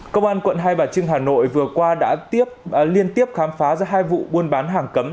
công an quận hai bà trưng hà nội vừa qua đã liên tiếp khám phá ra hai vụ buôn bán hàng cấm